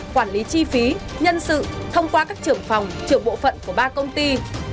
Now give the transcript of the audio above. quản lý chi phí nhân sự thông qua các trưởng phòng trưởng bộ phận của ba công ty